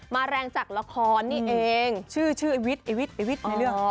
แรงจากละครนี่เองชื่อชื่อไอวิทย์ไอ้วิทย์ไอ้วิทย์ในเรื่อง